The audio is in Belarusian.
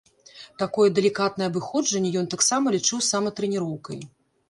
Такое далікатнае абыходжанне ён таксама лічыў саматрэніроўкай.